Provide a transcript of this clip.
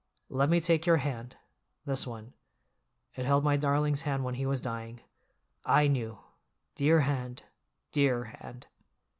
"Let me take your hand—this one; it held my darling's hand when he was dying. I knew! Dear hand, dear hand!"